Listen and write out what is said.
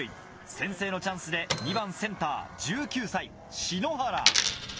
先制のチャンスで２番センター１９歳篠原。